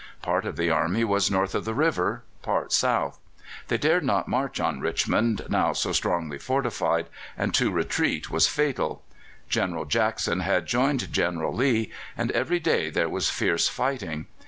Part of the army was north of the river, part south. They dared not march on Richmond, now so strongly fortified, and to retreat was fatal. General Jackson had joined General Lee, and every day there was fierce fighting.